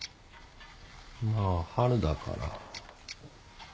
まあ春だから。